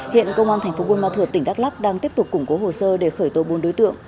hiện công an thành phố buôn ma thuột tỉnh đắk lắk đang tiếp tục củng cố hồ sơ để khởi tổ buôn đối tượng